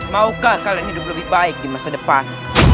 maukah kalian hidup lebih baik di masa depan